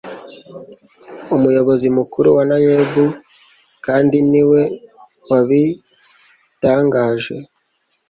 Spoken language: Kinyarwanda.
Umuyobozi Mukuru wa NAEB kandiniwe wabitangaje